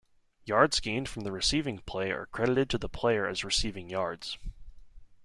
Yards gained from the receiving play are credited to the player as receiving yards.